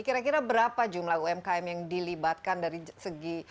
kira kira berapa jumlah umkm yang dilibatkan dari segi